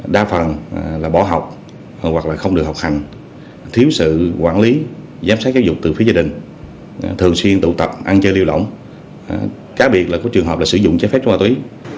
đa phần là bỏ học hoặc là không được học hành thiếu sự quản lý giám sát giáo dục từ phía gia đình thường xuyên tụ tập ăn chơi liêu lỏng cá biệt là có trường hợp là sử dụng chế phép trung tí